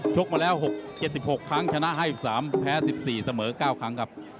กมาแล้ว๖๗๖ครั้งชนะ๕๓แพ้๑๔เสมอ๙ครั้งครับ